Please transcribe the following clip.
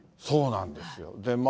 そうなんですよ。